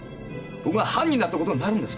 僕が犯人だってことになるんですか？